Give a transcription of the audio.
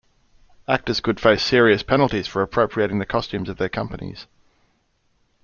Actors could face serious penalties for appropriating the costumes of their companies.